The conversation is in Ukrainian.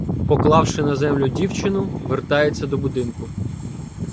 Поклавши на землю дівчину, вертається до будинку.